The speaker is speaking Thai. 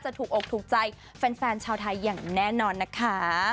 ถูกอกถูกใจแฟนชาวไทยอย่างแน่นอนนะคะ